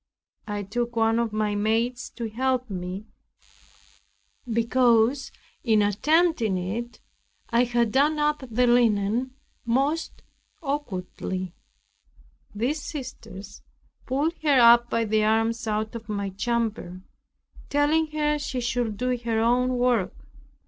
I took one of my maids to help me, because in attempting it I had done up the linen most awkwardly. These sisters pulled her by the arms out of my chamber, telling her she should do her own work.